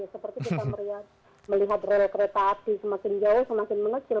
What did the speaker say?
seperti kita melihat rel kereta api semakin jauh semakin mengecil